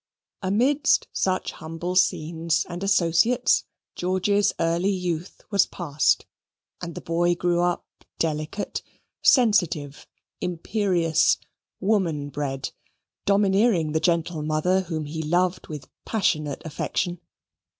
Amidst such humble scenes and associates George's early youth was passed, and the boy grew up delicate, sensitive, imperious, woman bred domineering the gentle mother whom he loved with passionate affection.